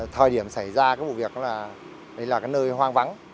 thời điểm xảy ra cái vụ việc là đây là cái nơi hoang vắng